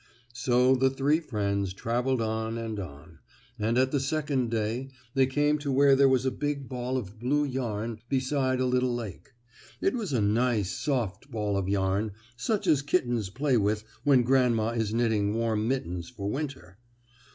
So the three friends traveled on and on, and at the second day they came to where there was a big ball of blue yarn beside a little lake. It was a nice, soft ball of yarn, such as kittens play with when grandma is knitting warm mittens for winter.